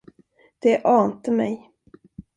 Det ante mig.